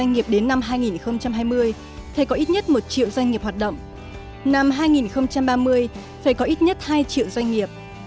năm hai nghìn ba mươi phải có ít nhất hai triệu doanh nghiệp